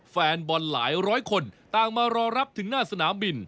แฟนบอลหลายร้อยคนต่างมารอรับถึงหน้าสนามบิน